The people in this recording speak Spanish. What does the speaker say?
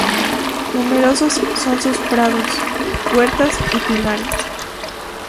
Numerosos son sus prados, huertas y pinares.